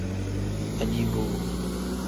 Aliboo.